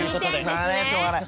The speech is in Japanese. あしょうがない。